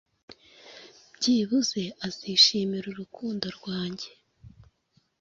byibuze azishimira urukundo rwanjye